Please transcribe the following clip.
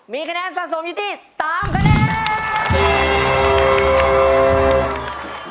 มีคะแนนสะสมยุทธิ๓คะแนน